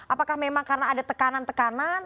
apakah memang karena ada tekanan tekanan